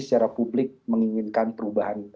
secara publik menginginkan perubahan